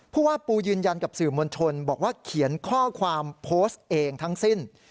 ผู้ว่าปูยืนยันกับสื่อมวลชนบอกว่าเขียนข้อความโพสต์เองทั้งสิ้น